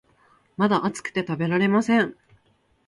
まだ熱くて食べられません